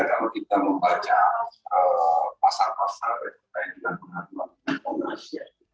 kalau kita membaca pasar pasar yang terkait dengan pengantuan kompolnas